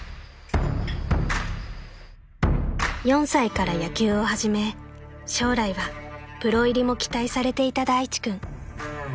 ［４歳から野球を始め将来はプロ入りも期待されていた大地君］